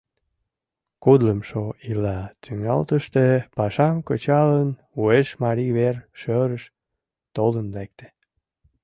Кудлымшо ийла тӱҥалтыште, пашам кычалын, уэш Марий вер-шӧрыш толын лекте.